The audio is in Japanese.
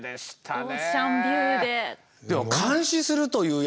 オーシャンビューで。